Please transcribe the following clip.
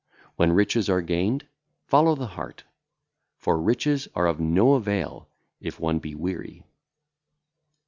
When riches are gained, follow the heart; for riches are of no avail if one be weary.